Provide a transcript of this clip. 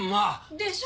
でしょ？